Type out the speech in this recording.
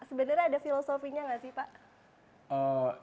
sebenarnya ada filosofinya nggak sih pak